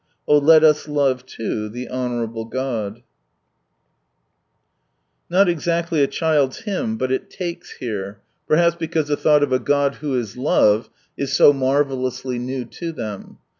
Oh, let us lave too The Honourable Cod," Not exactly a child's hymn, but it " takes " here ; perhaps because the thought of a God who is " love" is so marvellously new to them.